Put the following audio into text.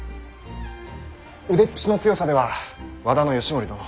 腕っぷしの強さでは和田義盛殿。